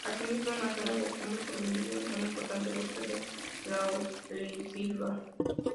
Asimismo, en la zona de cumbres sobrevive un importante bosque de laurisilva.